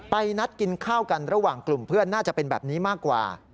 นัดกินข้าวกันระหว่างกลุ่มเพื่อนน่าจะเป็นแบบนี้มากกว่า